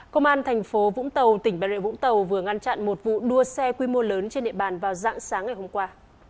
công an thành phố vũng tàu tỉnh bà rịa vũng tàu vừa ngăn chặn một vụ đua xe quy mô lớn trên địa bàn vào dạng sáng ngày hôm qua